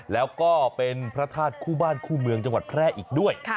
แล้วก็เป็นพระธาตุคู่บ้านคู่เมืองจังหวัดแพร่อีกด้วย